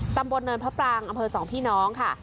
ตำบลเนินพระปรางอำเภอสองพี่น้องค่ะ